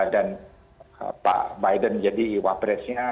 dan pak biden jadi wapresnya